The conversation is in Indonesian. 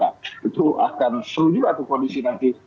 nah itu akan seru juga tuh kondisi nanti